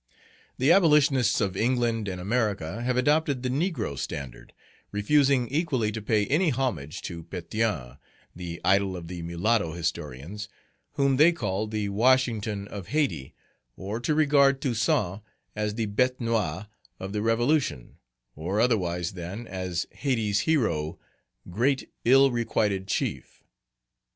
The abolitionists of England and America have adopted the negro standard, refusing equally to pay any homage to Pétion, the idol of the mulatto historians, whom they call the Washington of Hayti, or to regard Toussaint as the bête noir of the revolution, or otherwise than as Hayti's hero, "Great, ill requited chief."